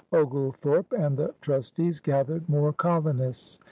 Oglethorpe and the trustees gathered more colonists.